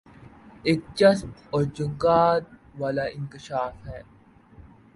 ایک چسپ اور چونکا د والا انکشاف ہے